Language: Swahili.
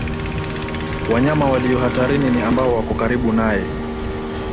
Wanyama walio hatarini ni ambao wako karibu naye